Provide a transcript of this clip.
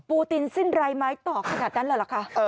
ปูตินสิ้นไรมั้ยต่อกระดับนั้นล่ะหรอคะ